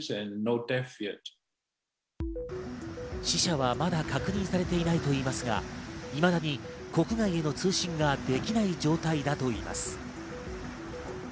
死者はまだ確認されていないといいますが、いまだに国外への通信ができない状態だといいます。